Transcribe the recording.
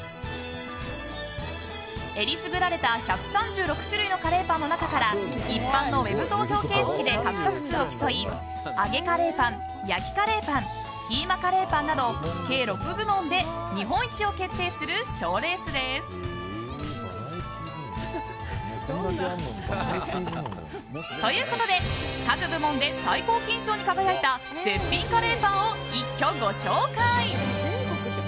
えりすぐられた１３６種類のカレーパンの中から一般のウェブ投票形式で得票数を競い揚げカレーパン、焼きカレーパンキーマカレーパンなど計６部門で日本一を決定する賞レースです。ということで各部門で最高金賞に輝いた絶品カレーパンを一挙ご紹介。